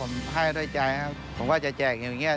ผมให้ด้วยใจครับผมก็จะแจกเงินอย่างนี้